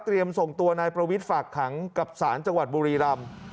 เตรียมส่งตัวในประวิทธิ์ฝากหังกับศาลจังหวัดบุรีรำ